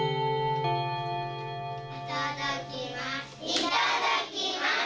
いただきます。